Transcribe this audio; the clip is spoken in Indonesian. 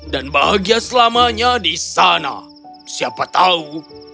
dan bahagia selamanya di sana siapa tahu